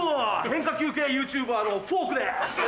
変化球系ＹｏｕＴｕｂｅｒのフォークです！